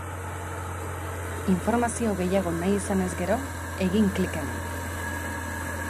Informazio gehiago nahi izanez gero, egin klik hemen.